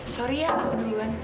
maaf ya aku duluan